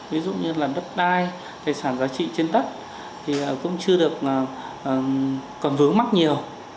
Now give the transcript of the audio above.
ví dụ như là đất đai tài sản giá trị trên đất thì cũng chưa được còn vướng mắc nhiều